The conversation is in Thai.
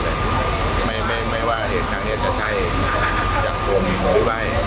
เพราะว่าเมืองนี้จะเป็นที่สุดท้าย